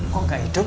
kok nggak hidup